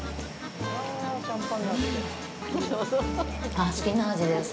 あっ、好きな味です。